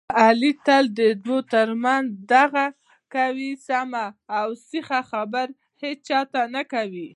علي تل د دوو ترمنځ هغه دغه کوي، سمه اوسیخه خبره هېچاته نه کوي.